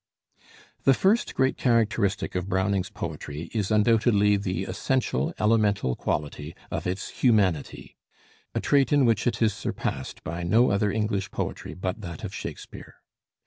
The first great characteristic of Browning's poetry is undoubtedly the essential, elemental quality of its humanity a trait in which it is surpassed by no other English poetry but that of Shakespeare.